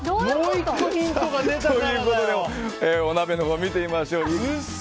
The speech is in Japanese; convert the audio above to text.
お鍋のほう見てみましょう。